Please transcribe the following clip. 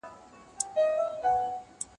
هغه څوک چي سينه سپين کوي پاک وي!؟